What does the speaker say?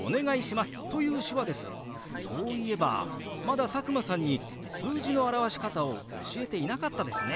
そういえばまだ佐久間さんに数字の表し方を教えていなかったですね。